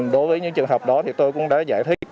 đối với những trường hợp đó thì tôi cũng đã giải thích